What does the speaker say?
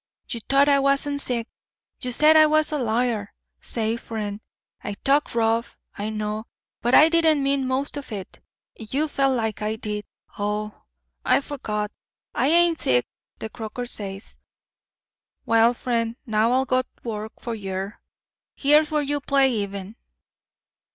You t'ought I wasn't sick. You said I was a liar. Say, friend, I talked rough, I know, but I didn't mean most of it. If you felt like I did—aw! I forgot—I ain't sick, the croaker says. Well, friend, now I'll go work for yer. Here's where you play even."